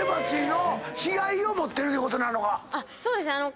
そうですね。